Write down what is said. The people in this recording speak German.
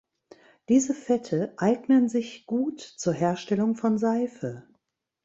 Diese Fette eignen sich gut zur Herstellung von Seife.